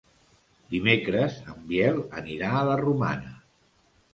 Dimecres en Biel anirà a la Romana.